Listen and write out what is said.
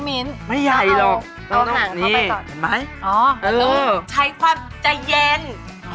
ของเรายากถึงห่าง